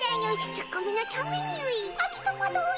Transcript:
ツッコミのためにゅい。